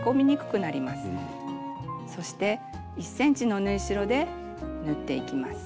そして１ｃｍの縫い代で縫っていきます。